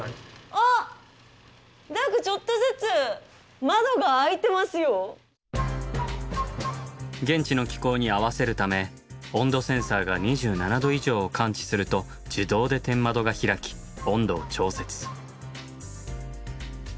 あっ何かちょっとずつ現地の気候に合わせるため温度センサーが２７度以上を感知すると自動で天窓が開き温度を調節。